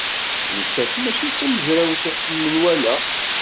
Nettat maci d tamezrawt n menwala.